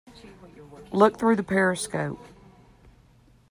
Look through the periscope.